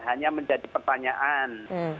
hanya menjadi pertanyaan